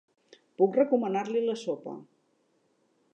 Puc recomanar-li la sopa.